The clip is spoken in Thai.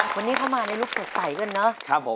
วันนี้เข้ามาในลูกสดใสกันเนอะ